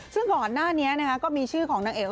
ซึ่งห่อหน้านี้นะครับก็มีชื่อของนังเอก